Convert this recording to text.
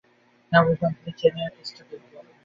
হ্যাঁ, বুঝলাম, কিন্তু চেনি এখন কেসটা দেখবে।